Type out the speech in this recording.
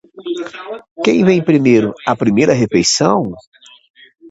Quem vem primeiro, a primeira refeição.